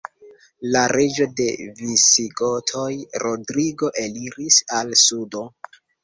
La reĝo de visigotoj Rodrigo eliris al sudo.